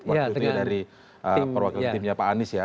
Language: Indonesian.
waktu itu ya dari perwakilan timnya pak anies ya